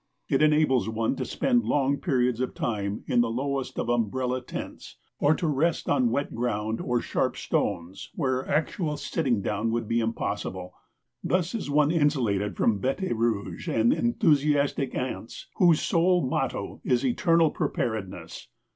It enables one to spend long periods of time in the lowest of umbrella tents, or to rest on wet ground or sharp stones where actual sitting down would be impossible. Thus is one insulated from bêtes rouges and enthusiastic ants whose sole motto is eternal preparedness.